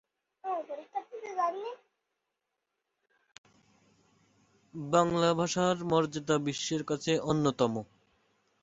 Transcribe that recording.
সাধারণত একজন অনুশীলনকারী তাদের মূর্তির আকারে তাদের ইষ্ট-দেবকে পূজা করেন।